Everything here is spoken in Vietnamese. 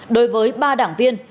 đối với ba đảng viên